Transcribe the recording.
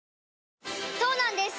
そうなんです